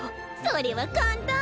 それは簡単！